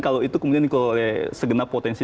kalau itu kemudian dikelola oleh segenap potensi